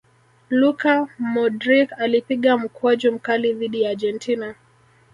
luka modric alipiga mkwaju mkali dhidi ya argentina